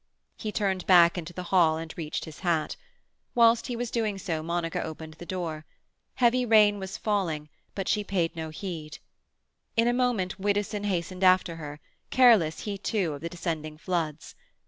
He turned back into the hall and reached his hat. Whilst he was doing so Monica opened the door. Heavy rain was falling, but she paid no heed to it. In a moment Widdowson hastened after her, careless, he too, of the descending floods.